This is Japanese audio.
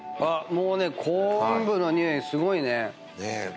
もうね昆布の匂いすごいね。